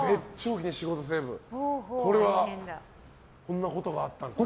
こんなことがあったんですね。